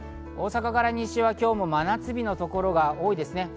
大阪から西は今日も真夏日のところが多いです。